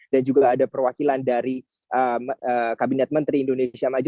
dan juga ada perwakilan dari kabinet menteri indonesia maju